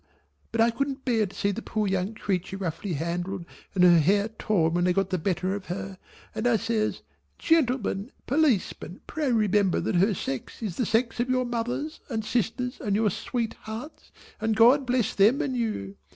But I couldn't bear to see the poor young creature roughly handled and her hair torn when they got the better of her, and I says "Gentlemen Policemen pray remember that her sex is the sex of your mothers and sisters and your sweethearts, and God bless them and you!"